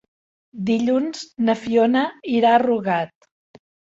Dilluns na Fiona irà a Rugat.